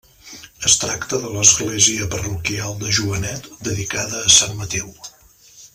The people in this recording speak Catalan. Es tracta de l'església parroquial de Joanet, dedicada a Sant Mateu.